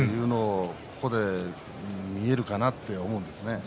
ここで見えるかなと思うんですよね。